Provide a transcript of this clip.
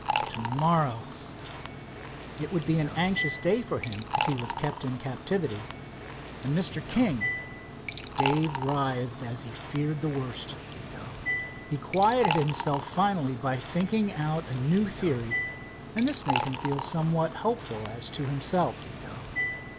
To morrow! It would an anxious day for him, if he was kept in captivity. And Mr. King! Dave writhed as he feared the worst. He quieted himself finally by thinking out a new theory, and this made him feel somewhat hopeful as to himself.